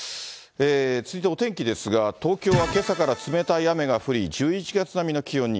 続いてお天気ですが、東京はけさから冷たい雨が降り、１１月並みの気温に。